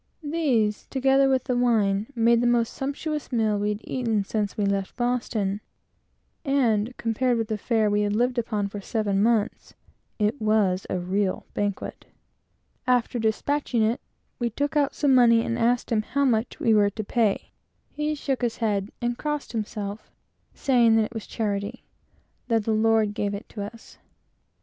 These, together with the wine, made the most sumptuous meal we had eaten since we left Boston; and, compared with the fare we had lived upon for seven months, it was a regal banquet. After despatching our meal, we took out some money and asked him how much we were to pay. He shook his head, and crossed himself, saying that it was charity: that the Lord gave it to us.